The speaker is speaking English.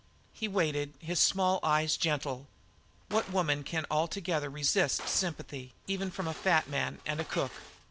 He waited, his small eyes gentle. What woman can altogether resist sympathy, even from a fat man and a cook?